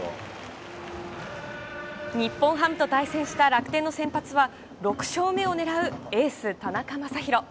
日本ハムと対戦した楽天の先発は、６勝目をねらうエース、田中将大。